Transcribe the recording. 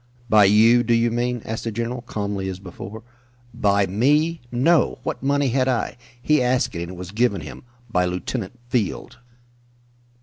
"By you, do you mean?" asked the general, calmly, as before. "By me? No! What money had I? He asked it and it was given him by Lieutenant Field."